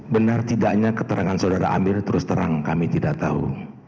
benar tidaknya keterangan saudara amir terus terang kami tidak tahu